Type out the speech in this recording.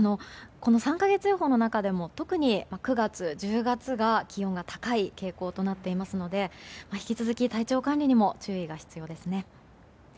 ３か月予報の中でも特に９月、１０月が気温が高い傾向となっていますので引き続き体調管理にも注意が必要ですね。